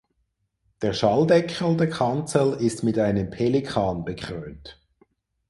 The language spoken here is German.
Der Schalldeckel der Kanzel ist mit einem Pelikan bekrönt.